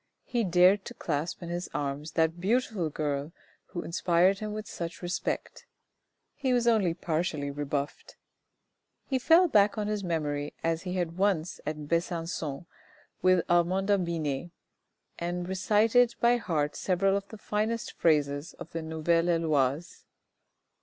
He dared to clasp in his arms that beautiful girl who inspired him with such respect. He was only partially rebuffed. He fell back on his memory as he had once at Besancon with Armanda Binet, and recited by heart several of the finest phrases out of the Nouvelle Heloise.